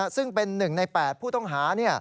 ซึ่งเป็น๑ใน๘ผู้ต้องหา